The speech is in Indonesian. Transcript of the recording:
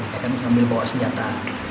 mereka misalnya bawa senjata